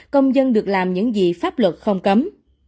công dân được làm những gì pháp luật không cấm